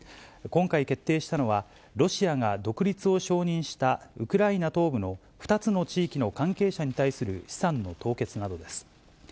今回、決定したのは、ロシアが独立を承認したウクライナ東部の２つの地域の関係者に対する資産の凍結などです。